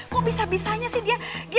kok bisa bisanya sih dia